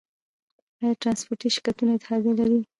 آیا ټرانسپورټي شرکتونه اتحادیه لري؟